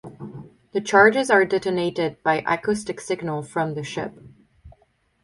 The charges are detonated by acoustic signal from the ship.